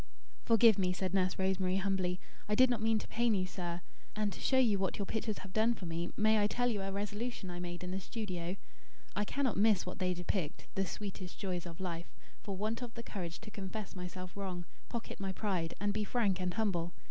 "Forgive me," said Nurse Rosemary, humbly. "I did not mean to pain you, sir. And, to show you what your pictures have done for me, may I tell you a resolution I made in the studio? I cannot miss what they depict the sweetest joys of life for want of the courage to confess myself wrong; pocket my pride; and be frank and humble.